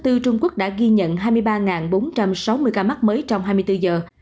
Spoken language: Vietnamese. trung quốc đã ghi nhận hai mươi ba bốn trăm sáu mươi ca mắc mới trong hai mươi bốn giờ